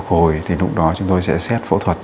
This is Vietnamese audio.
hồi thì lúc đó chúng tôi sẽ xét phẫu thuật